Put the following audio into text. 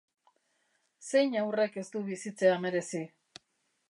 Zein haurrek ez du bizitzea merezi?